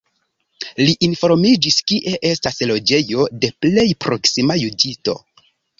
Li informiĝis, kie estas loĝejo de plej proksima juĝisto.